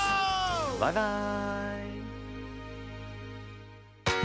バイバイ。